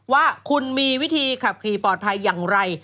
ว่าคุณมีวิธีขับขี่ปลอดภัยอย่างไร